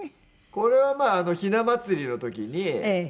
これはまあひな祭りの時に。